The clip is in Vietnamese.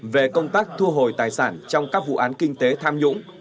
về công tác thu hồi tài sản trong các vụ án kinh tế tham nhũng